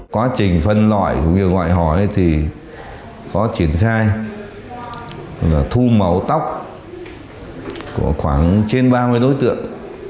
quá trình phân loại mùa employee thì có triển khai là thu màu tóc của khoảng trên ba mươi đối tượng